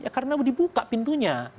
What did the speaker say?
ya karena dibuka pintunya